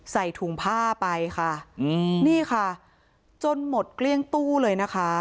ใส่ถุงผ้าไปค่ะอืมนี่ค่ะจนหมดเกลี้ยงตู้เลยนะคะ